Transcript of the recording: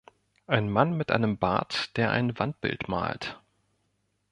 Ein Mann mit einem Bart, der ein Wandbild malt.